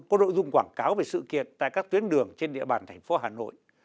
có nội dung quảng cáo về sự kiện tại các tuyến đường trên địa bàn thành phố hà nội